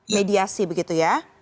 mediasi begitu ya